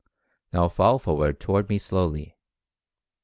Now fall forward toward me slowly.